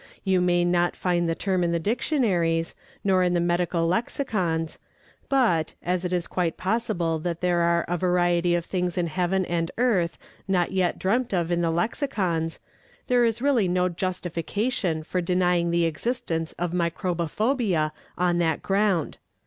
You may not find the term in the dictionaries, nor in the medical lexicons; but, as it is quite possible that there are a variety of things in heaven and earth not yet dreamt of in the lexicons, there is really no justification for denying the existence of microbophobia on that ground.